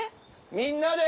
みんなで。